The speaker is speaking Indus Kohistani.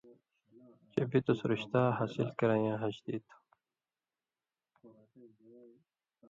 چے بِتُس رُشتا حاصل کریں یاں ہجتی تھو۔